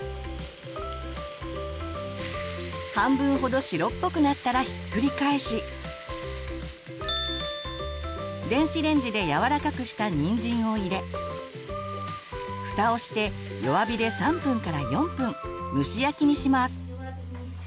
半分ほど白っぽくなったらひっくり返し電子レンジでやわらかくしたにんじんを入れフタをして弱火で３分から４分蒸し焼きにします。